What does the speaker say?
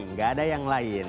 gak ada yang lain